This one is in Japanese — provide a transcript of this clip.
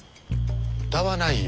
歌わないよ。